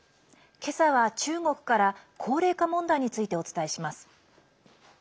今朝は中国から高齢化問題についてお伝えします。